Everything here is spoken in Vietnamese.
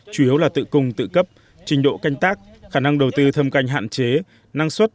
chủ yếu là tự cung tự cấp trình độ canh tác khả năng đầu tư thâm canh hạn chế năng suất